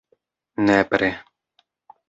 nepre